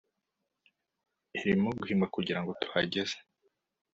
irimo guhimbwa kugirango tuhageze